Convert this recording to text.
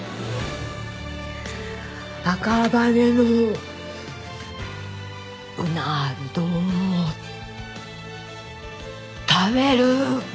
赤羽のうな丼を食べる！